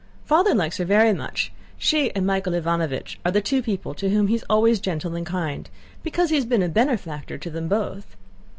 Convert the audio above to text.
Father likes her very much. She and Michael Ivánovich are the two people to whom he is always gentle and kind, because he has been a benefactor to them both.